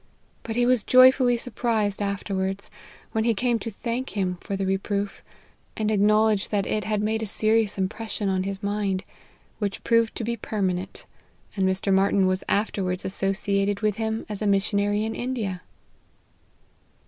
But he was joyfully surprised after wards, when he came to thank him lor the reproof, and acknowledge that it had made a serious im LIFE OF HENRY MARTYX. 19 pression on his mind, which proved to be perma nent; and Mr. Martyn was afterwards associated with him as a missionary in India.